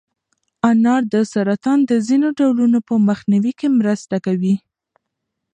انار د سرطان د ځینو ډولونو په مخنیوي کې مرسته کوي.